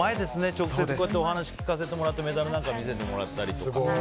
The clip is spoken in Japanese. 直接こうやってお話聞かせてもらってメダルなんかも見せてもらったりだとか。